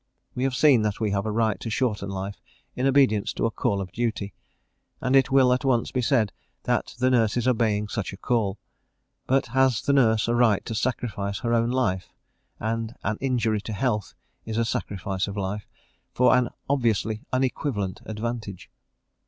We have seen that we have a right to shorten life in obedience to a call of duty, and it will at once be said that the nurse is obeying such a call. But has the nurse a right to sacrifice her own life and an injury to health is a sacrifice of life for an obviously unequivalent advantage?